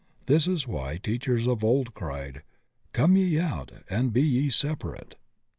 This is why teachers of old cried, "Come ye out and be ye separate."